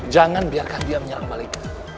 jangan biarkan dia menyerang balik